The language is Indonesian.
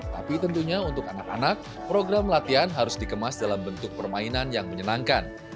tapi tentunya untuk anak anak program latihan harus dikemas dalam bentuk permainan yang menyenangkan